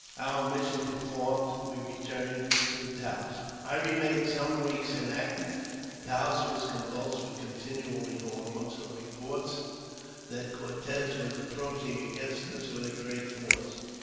Our mission performed, we returned to Taos. I remained some weeks inactive. Taos was convulsed with continual alarms from reports that Cortez was approaching against us with a great force.